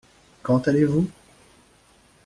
Quand allez-vous ?